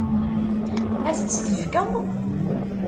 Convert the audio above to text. Ad as-tt-tefkeḍ?